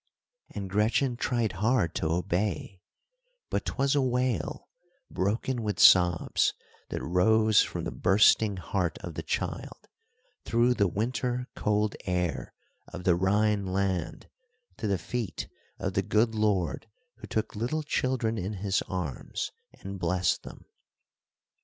And Gretchen tried hard to obey, but 'twas a wail, broken with sobs, that rose from the bursting heart of the child, through the winter cold air of the Rhine land, to the feet of the good Lord who took little children in his arms and blessed them.